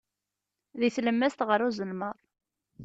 Deg tlemmast ɣer uzelmaḍ.